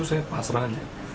saya pasrah aja